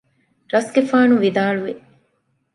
ރަސްގެފާނު ވިދާޅުވި